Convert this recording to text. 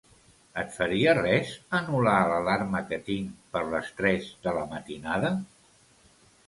Et faria res anul·lar l'alarma que tinc per les tres de la matinada?